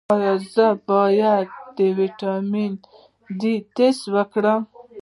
ایا زه باید د ویټامین ډي ټسټ وکړم؟